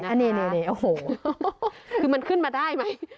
อันนี้โอ้โหคือมันขึ้นมาได้ไหมพระเอกพระเอก